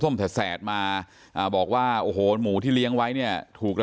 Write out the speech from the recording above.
ส้มแสดแสดสัดมาบอกว่าไม้หมูที่เลี้ยงไว้เนี่ยถูกกระ